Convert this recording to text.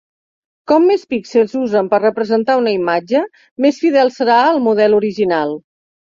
Com més píxels s'usen per a representar una imatge, més fidel serà al model original.